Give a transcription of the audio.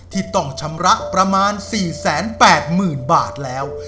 ที่ต้องชำระประมาณ๔๘๐๐๐บาทแล้ว